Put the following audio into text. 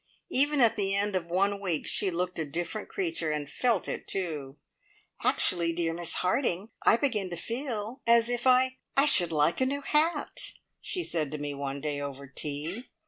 Even at the end of one week she looked a different creature, and felt it too. "Actually, dear Miss Harding, I begin to feel as if I I should like a new hat!" she said to me one day over tea.